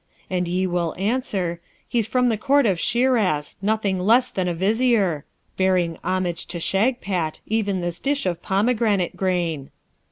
and ye will answer, He's from the court of Shiraz, nothing less than a Vizier bearing homage to Shagpat, even this dish of pomegranate grain.'